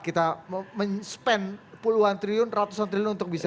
kita men spend puluhan triliun ratusan triliun untuk bisa